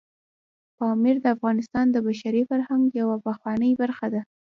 پامیر د افغانستان د بشري فرهنګ یوه پخوانۍ برخه ده.